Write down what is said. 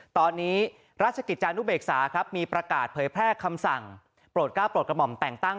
ตอนนี้ราชกิจจานุเบกษาครับมีประกาศเผยแพร่คำสั่งโปรดก้าวโปรดกระหม่อมแต่งตั้ง